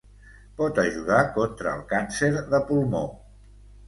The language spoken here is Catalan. Pot ajudar contra el càncer de pulmó.